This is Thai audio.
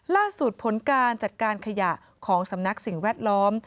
ผลการจัดการขยะของสำนักสิ่งแวดล้อม